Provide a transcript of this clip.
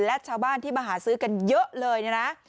และชาวบ้านที่มาหาซื้อกันเยอะเลยเนี่ยนะ